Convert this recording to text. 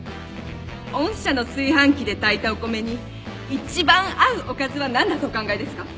御社の炊飯器で炊いたお米に一番合うおかずは何だとお考えですか？